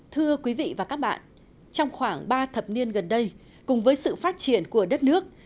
thưa quý vị và các bạn trong khoảng ba thập niên gần đây cùng với sự phát triển của đất nước